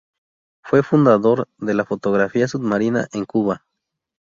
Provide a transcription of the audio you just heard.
Fue fundador de la fotografía submarina en Cuba.